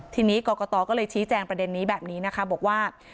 ทีนี้กรกตก็เลยชี้แจงประเด็นนี้แบบนี้นะคะบอกว่า